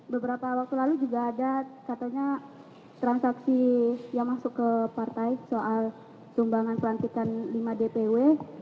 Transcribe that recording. beberapa waktu lalu juga ada katanya transaksi yang masuk ke partai soal sumbangan pelantikan lima dpw